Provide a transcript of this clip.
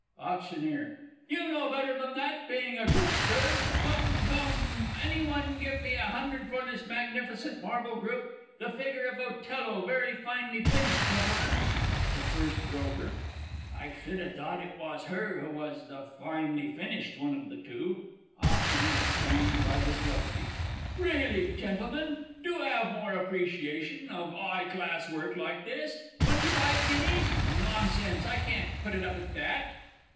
AUCT. You know better than that being a group, Sir. Come, come, any one give me a hundred for this magnificent marble group! The figure of Othello very finely finished, Gentlemen. THE F. B. I should ha' thought it was her who was the finely finished one of the two. AUCT. (pained by this levity). Really, Gentlemen, do 'ave more appreciation of a 'igh class work like this!... Twenty five guineas?... Nonsense! I can't put it up at that.